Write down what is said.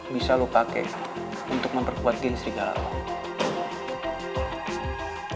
bisa lo pake untuk memperkuat geng serigala lo